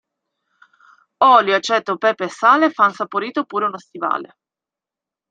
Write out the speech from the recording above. Olio, aceto, pepe e sale fan saporito pure uno stivale.